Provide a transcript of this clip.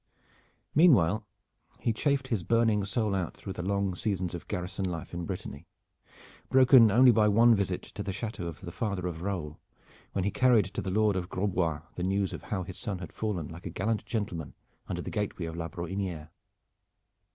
Meanwhile, he chafed his burning soul out through the long seasons of garrison life in Brittany, broken only by one visit to the chateau of the father of Raoul, when he carried to the Lord of Grosbois the news of how his son had fallen like a gallant gentleman under the gateway of La Brohiniere.